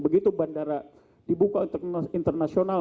begitu bandara dibuka untuk internasional